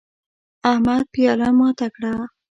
احمد پیاله ماته کړه